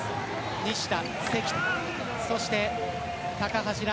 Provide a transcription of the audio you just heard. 西田、関田、そして高橋藍